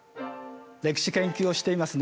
歴史研究をしています